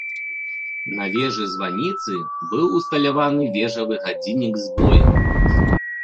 На вежы-званіцы быў усталяваны вежавы гадзіннік з боем.